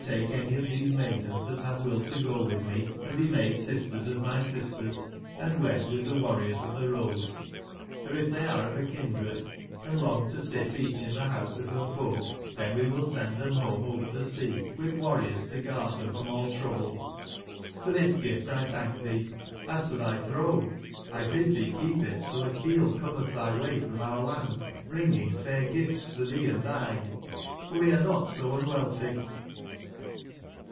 take any of tbese mai dens tbat bave will togowitbme&bemadesistersof my sisters, &wedwitb tbe warriors of tbe Rose ; or if tbey are of a kindred, & long to sit eacb in tbe bouse of berfolk, tben will we send tbem bomeover tbe sea witb warriors to guard tbem from all trou ble.f or tbis gif tltbank tbee. Hs to tby tbrone,t bid tbee keep it till a keel cometb tby way from our land, bringing fair gifts for tbee & tbine.f or we are not so unwealtby."